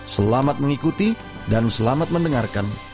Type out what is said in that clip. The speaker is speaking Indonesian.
selamat mengikuti dan selamat mendengarkan